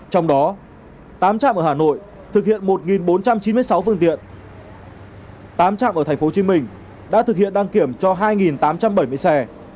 trong đó tám trạm ở hà nội thực hiện một bốn trăm chín mươi sáu phương tiện tám trạm ở thành phố hồ chí minh đã thực hiện đăng kiểm cho hai tám trăm bảy mươi xe